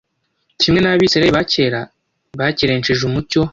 Kimwe n’Abisiraheli ba kera, bakerensheje umucyo